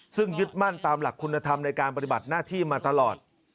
ซึ่งยึดมั่นตามหลักคุณธรรมในการปฏิบัติหน้าที่มาตลอด